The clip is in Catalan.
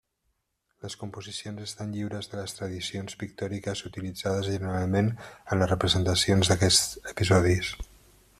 Les composicions estan lliures de les tradicions pictòriques utilitzades generalment en les representacions d'aquests episodis.